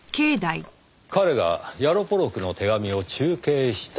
彼がヤロポロクの手紙を中継した。